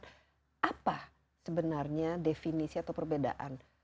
jadi jurnal apa sebenarnya definisi atau perbedaan